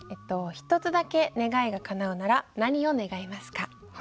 １つだけ願いがかなうなら何を願いますか？